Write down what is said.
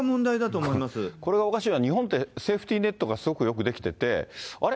これがおかしいのは、日本ってセーフティーネットがすごくよく出来てて、あれ？